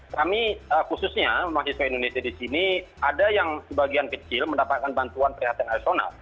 kami khususnya mahasiswa indonesia di sini ada yang sebagian kecil mendapatkan bantuan perhatian arsional